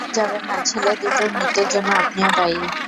ভুলে যাবেন না ছেলে দুটোর মৃত্যুর জন্য আপনিও দায়ী।